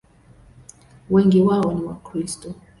Wengi wao ni Wakristo.